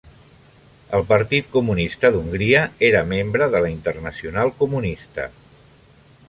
El Partit Comunista d'Hongria era membre de la Internacional Comunista.